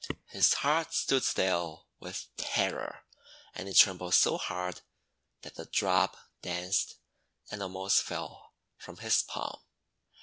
His heart stood still with terror, and he trembled so that the drop danced, and almost fell from his palm.